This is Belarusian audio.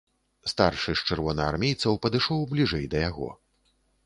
Старшы з чырвонаармейцаў падышоў бліжэй да яго.